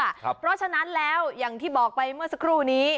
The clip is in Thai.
เพราะฉะนั้นแล้วอย่างที่บอกไปเมื่อสักครู่นี้